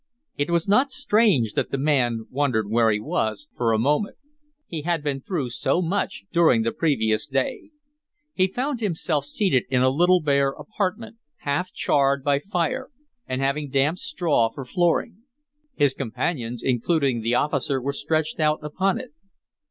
It was not strange that the man wondered where he was, for a moment; he had been through so much during the previous day. He found himself seated in a little bare apare apartment half charred by fire, and having damp straw for flooring. His companions, including the officer, were stretched out upon it.